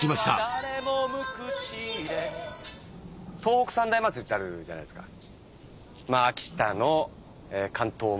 誰も無口で東北三大祭りってあるじゃないですか。